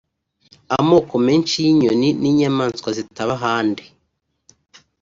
amoko menshi y’inyoni n’inyamaswa zitaba ahandi